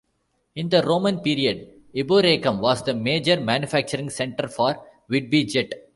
In the Roman period, Eboracum was the major manufacturing centre for Whitby Jet.